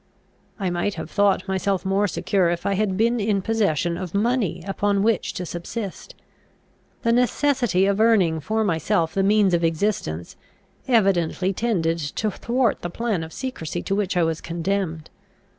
I might have thought myself more secure if I had been in possession of money upon which to subsist. The necessity of earning for myself the means of existence, evidently tended to thwart the plan of secrecy to which I was condemned.